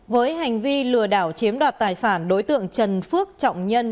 với hành vi lừa đảo chiếm đoạt tài sản đối tượng trần phước trọng nhân